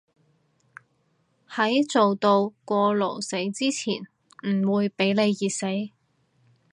喺做到過勞死之前唔會畀你熱死